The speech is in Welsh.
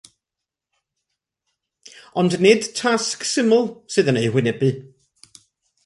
Ond nid tasg syml sydd yn eu hwynebu.